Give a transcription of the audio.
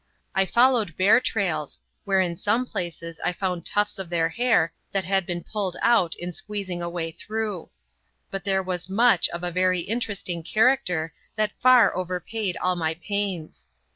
I followed bear trails, where in some places I found tufts of their hair that had been pulled out in squeezing a way through; but there was much of a very interesting character that far overpaid all my pains.